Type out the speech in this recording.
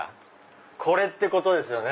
これってことですよね。